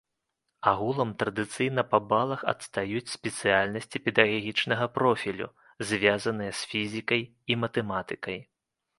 Агулам традыцыйна па балах адстаюць спецыяльнасці педагагічнага профілю, звязаныя з фізікай і матэматыкай.